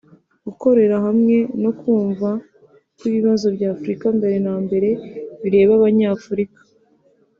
gukorera hamwe no kumva ko ibibazo bya Afurika mbere na mbere bireba Abanyafurika